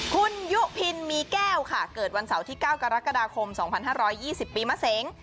คุณยุพินมีแก้วค่ะเกิดวันเสาร์ที่๙กรกฎาคม๒๕๒๐ปีมะเสง